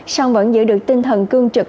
xong vẫn giữ được tinh thần cương trực